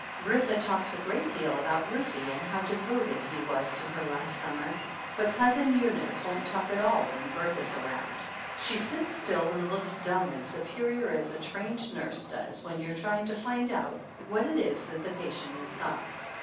Bertha talks a great deal about Rufe and how devoted he was to her last summer, but Cousin Eunice won't talk at all when Bertha's around. She sits still and looks dumb and superior as a trained nurse does when you are trying to find out what it is that the patient has got.